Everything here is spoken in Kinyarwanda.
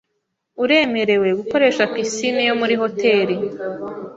Uremerewe gukoresha pisine yo muri hoteri .